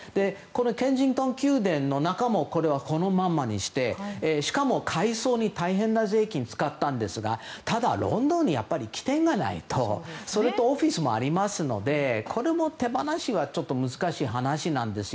ケンジントン宮殿の中もこのままにしてしかも、改装に大変な税金を使ったんですがただ、ロンドンに基点がないとそれとオフィスもありますのでこれも手放すのは難しい話なんです。